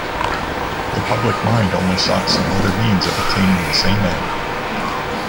The public mind only sought some other means of attaining the same end.